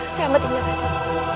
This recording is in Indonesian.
selamat tinggal raden